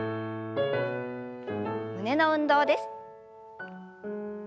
胸の運動です。